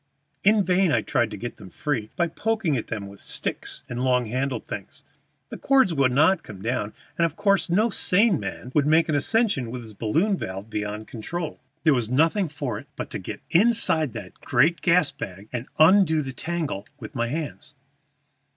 In vain I tried to get them free by poking at them with sticks and long handled things; the cords would not come down, and of course no sane man would make an ascension with his balloon valve beyond control. There was nothing for it but to get inside that great gas bag and undo the tangle with my hands.